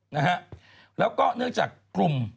นะฮะแล้วก็เนื่องจากกลุ่ม